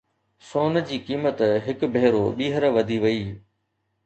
سون جي قيمت هڪ ڀيرو ٻيهر وڌي وئي